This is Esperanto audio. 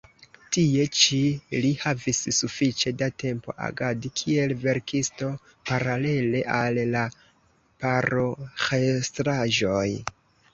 Tie ĉi li havis sufiĉe da tempo agadi kiel verkisto paralele al la paroĥestraĵoj.